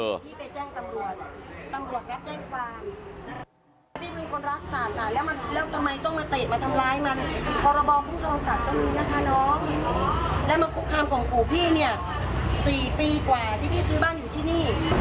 ไม่ต้องมาเตศมาทำร้ายมันการระบองพุทธของสัตว์ก็ว่านี้นะคะเนาะและมันคุกคามคงขู่พี่นี่๔ปีกว่าที่พี่ซื้อบ้านอยู่ที่นี่